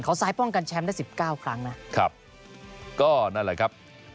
เขาซ้ายป้องกันแชมป์ได้สิบเก้าครั้งนะครับก็นั่นแหละครับ